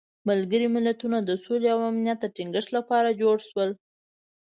ملګري ملتونه د سولې او امنیت د تینګښت لپاره جوړ شول.